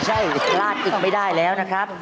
ใช่พลาดอีกไม่ได้แล้วนะครับ